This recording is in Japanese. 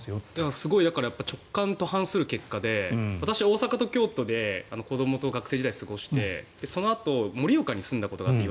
すごい直感と反する結果で私は大阪と京都で子どもと学生時代を過ごしてそのあと、岩手の盛岡に住んだことがあって。